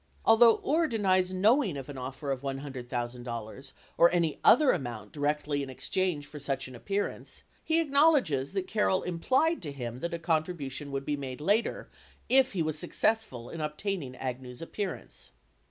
Although Uhre denies knowing of an offer of $100,000 or any other amount directly in exchange for such an appearance, he acknowledges that Carroll implied to him that a contribution would be made later, if he was successful in obtaining Agnew's appearance.